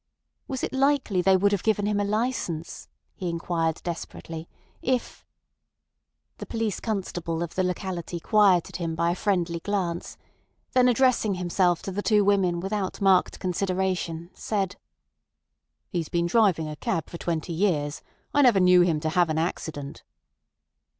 Was it likely they would have given him a licence, he inquired desperately, if— The police constable of the locality quieted him by a friendly glance; then addressing himself to the two women without marked consideration, said: "He's been driving a cab for twenty years. I never knew him to have an accident."